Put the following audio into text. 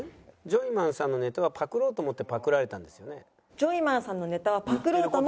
ジョイマンさんのネタはパクろうと思ってパクられたんですよね？